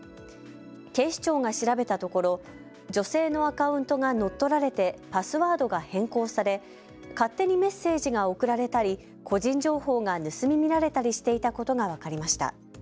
警視庁が調べたところ女性のアカウントが乗っ取られてパスワードが変更され勝手にメッセージが送られたり個人情報が盗み見られたりしていたことが分かりました。